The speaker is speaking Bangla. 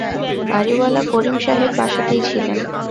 বাড়িওয়ালা করিম সাহেব বাসাতেই ছিলেন।